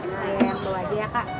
saya yang keluar dia kak